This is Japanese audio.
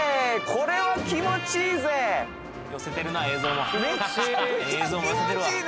これは気持ちいいぜ寄せてるな映像も気持ちいい